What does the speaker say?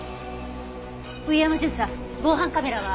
上山巡査防犯カメラは？